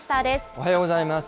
おはようございます。